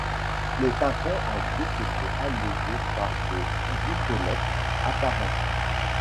Les tympans en briques étaient allégés par des voutelettes apparentes.